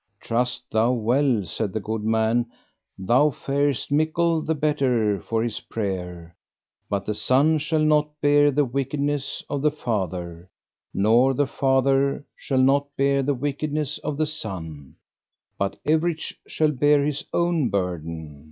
Trust thou well, said the good man, thou farest mickle the better for his prayer; but the son shall not bear the wickedness of the father, nor the father shall not bear the wickedness of the son, but everych shall bear his own burden.